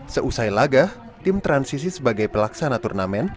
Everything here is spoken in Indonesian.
seusai laga tim transisi sebagai pelaksana turnamen